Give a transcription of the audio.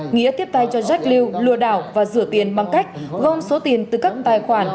nghĩa tiếp tay cho jack lew lừa đảo và rửa tiền bằng cách gồm số tiền từ các tài khoản